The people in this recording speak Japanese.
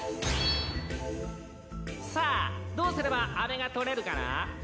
さあどうすればあめが取れるかな？